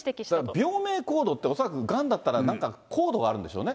病名コードって、恐らくがんだったら、なんかコードがあるんでしょうね。